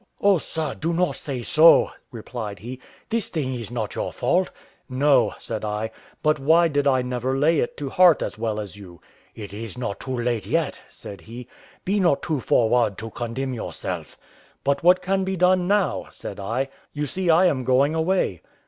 "Oh, sir! do not say so," replied he; "this thing is not your fault." "No," said I; "but why did I never lay it to heart as well as you?" "It is not too late yet," said he; "be not too forward to condemn yourself." "But what can be done now?" said I: "you see I am going away."